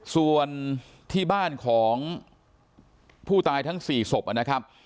ส่วนที่บ้านของผู้ตายทั้ง๔ศพนะครับ